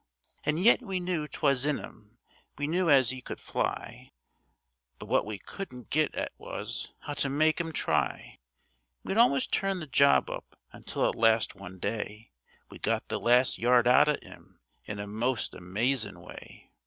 And yet we knew 'twas in 'im, we knew as 'e could fly; But what we couldn't git at was 'ow to make 'im try. We'd almost turned the job up, until at last one day We got the last yard out of 'im in a most amazin' way.